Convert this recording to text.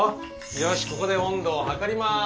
よしここで温度を測ります。